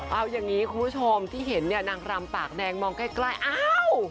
เอาอย่างนี้คุณผู้ชมที่เห็นเนี่ยนางรำปากแดงมองใกล้อ้าว